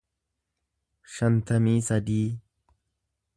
shantamii sadii